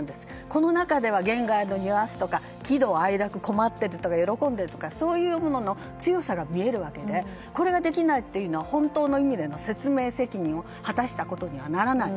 この中では言外のニュアンスとか喜怒哀楽、困っているとか喜んでいるとかそういうものの強さが見えるわけでこれができないっていうのは本当の意味での説明責任を果たしたことにはならない。